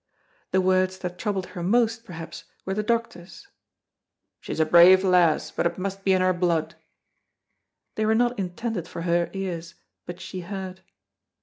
The words that troubled her most, perhaps, were the doctor's, "She is a brave lass, but it must be in her blood." They were not intended for her ears, but she heard.